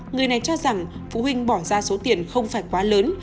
người này cho rằng phụ huynh bỏ ra số tiền không phải quá lớn